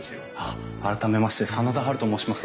改めまして真田ハルと申します。